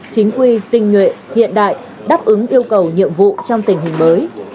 chính quy tinh nhuệ hiện đại đáp ứng yêu cầu nhiệm vụ trong tình hình mới